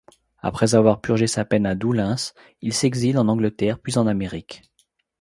Après avoir purgé sa peine à Doullens, il s'exile en Angleterre puis en Amérique.